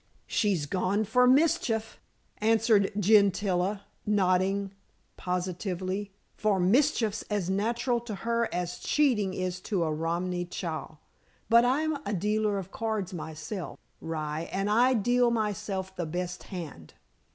"She's gone for mischief," answered Gentilla, nodding positively. "For mischief's as natural to her as cheating is to a Romany chal. But I'm a dealer of cards myself, rye, and I deal myself the best hand."